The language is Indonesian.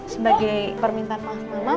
sebagai permintaan maaf sama mama